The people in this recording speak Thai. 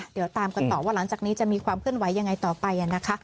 เดี๋ยวตามกันต่อว่าหลังจากนี้จะมีความเคลื่อนไหวยังไงต่อไปนะคะ